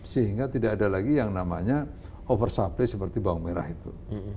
sehingga tidak ada lagi yang namanya oversupply seperti bawang merah itu